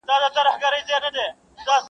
پکښي بند سول د مرغانو وزرونه -